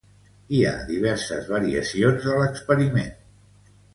Hi ha diverses variacions de l'experiment.